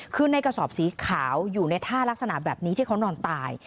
คือในกระสอบสีขาวอยู่ในท่ารักษณะแบบนี้ที่เขานอนตาย